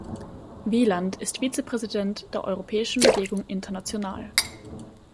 Wieland ist Vizepräsident der Europäischen Bewegung International.